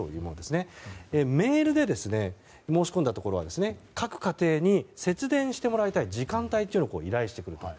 メールで申し込んだところは各家庭に節電してもらいたい時間帯を依頼してくると。